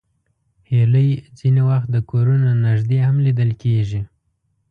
هیلۍ ځینې وخت د کورونو نږدې هم لیدل کېږي